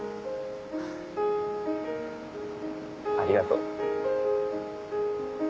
ありがとう。